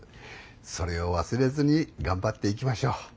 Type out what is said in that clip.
それを忘れずに頑張っていきましょう。